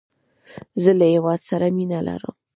زه له هیواد سره مینه لرم